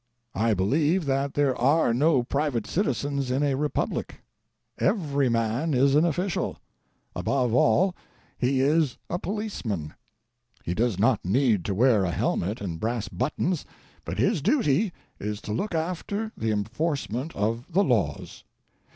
I believe that there are no private citizens in a republic. Every man is an official: above all, he is a policeman. He does not need to wear a helmet and brass buttons, but his duty is to look after the enforcement of the laws.